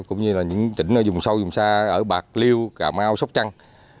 cũng như là những tỉnh ở dùng sâu dùng xa ở bạc liêu cà mau sóc trăng